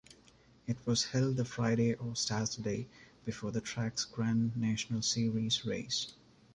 It was held the Friday or Saturday before the track's Grand National Series race.